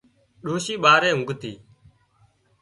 ڏوشي ٻاري اونگتِي